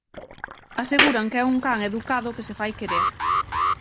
Aseguran que é un can educado que se fai querer.